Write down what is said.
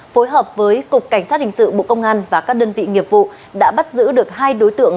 phối hợp với cục cảnh sát hình sự bộ công an và các đơn vị nghiệp vụ đã bắt giữ được hai đối tượng